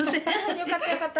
よかったよかった。